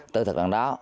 từ thời gian đó